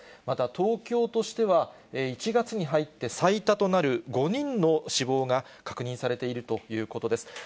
また東京としては、１月に入って最多となる５人の死亡が確認されているということです。